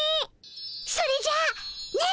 それじゃあねっ？